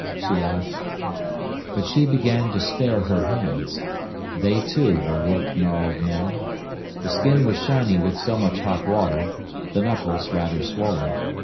she laughed. But she began to spare her hands. They, too, were work gnarled now. The skin was shiny with so much hot water, the knuckles rather swollen.